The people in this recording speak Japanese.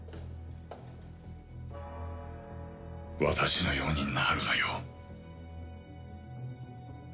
私のようになるなよ。